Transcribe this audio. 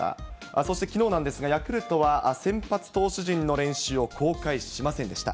そしてきのうなんですが、ヤクルトは先発投手陣の練習を公開しませんでした。